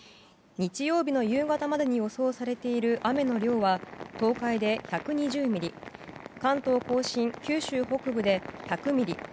日曜日の夕方までに予想されている雨の量は東海で１２０ミリ関東・甲信、九州北部で１００ミリ